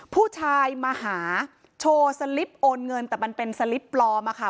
ผู้ชายมาหาโชว์สลิปโอนเงินแต่มันเป็นสลิปปลอมอะค่ะ